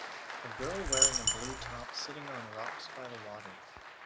A girl wearing a blue top sitting on rocks by the water.